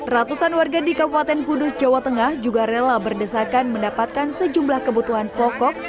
ratusan warga di kabupaten kudus jawa tengah juga rela berdesakan mendapatkan sejumlah kebutuhan pokok